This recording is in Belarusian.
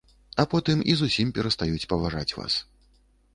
А потым і зусім перастаюць паважаць вас.